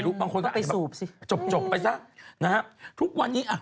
อย่าไปให้ตังค์มันนะคะ